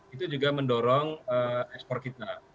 itu juga mendorong ekspor kita